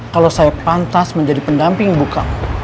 kalau saya pantas menjadi pendamping ibu kamu